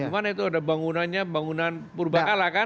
bukan itu ada bangunannya bangunan purba kalah kan